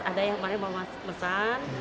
ada yang paling mau mesan